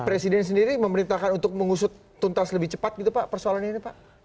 presiden sendiri memerintahkan untuk mengusut tuntas lebih cepat gitu pak persoalan ini pak